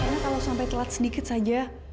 karena kalau sampai telat sedikit saja